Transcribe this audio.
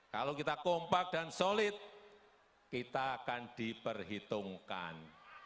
kalau kita kompak dan solid kita akan diperhitungkan